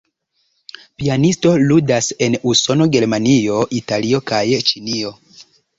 Pianisto ludas en Usono, Germanio, Italio, kaj Ĉinio.